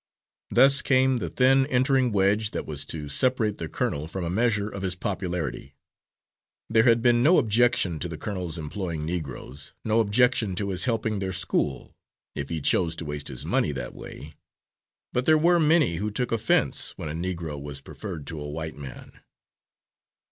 Thus came the thin entering wedge that was to separate the colonel from a measure of his popularity. There had been no objection to the colonel's employing Negroes, no objection to his helping their school if he chose to waste his money that way; but there were many who took offense when a Negro was preferred to a white man.